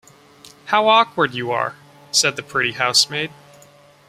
‘How awkward you are,’ said the pretty housemaid.